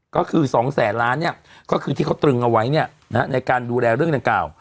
ก็คือ๒แสนล้านก็คือที่เขาตรึงเอาไว้ในการดูแลเรื่องดังกล่าว